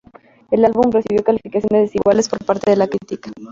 El álbum recibió calificaciones desiguales por parte de la crítica.